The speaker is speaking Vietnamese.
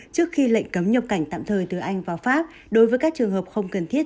trước khi lệnh cấm nhập cảnh tạm thời từ anh vào pháp đối với các trường hợp không cần thiết